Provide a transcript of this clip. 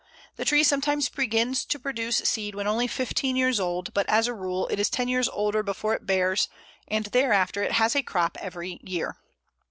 The tree sometimes begins to produce seed when only fifteen years old; but, as a rule, it is ten years older before it bears, and thereafter it has a crop every year.